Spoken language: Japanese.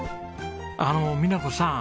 あの美奈子さん